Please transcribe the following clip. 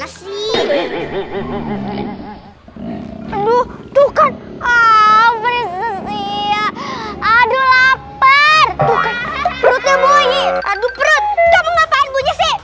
aduh tuh kan ah berhenti ya aduh lapar tuh perutnya boyi aduh perut ngapain bunyi sih